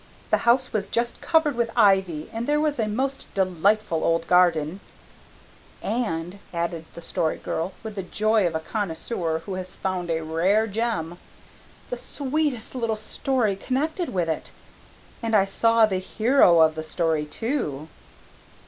The house was just covered with ivy and there was a most delightful old garden "and," added the Story Girl, with the joy of a connoisseur who has found a rare gem, "the sweetest little story connected with it. And I saw the hero of the story too."